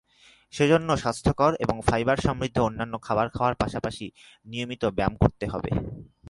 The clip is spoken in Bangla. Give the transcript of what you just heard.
সেজন্য স্বাস্থ্যকর ও ফাইবার সমৃদ্ধ অন্যান্য খাবার খাওয়ার পাশাপাশি নিয়মিত ব্যায়াম করতে হবে।